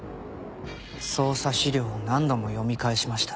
捜査資料を何度も読み返しました。